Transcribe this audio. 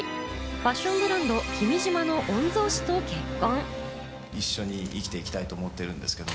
ファッションブランド・キミジマの御曹司と結婚。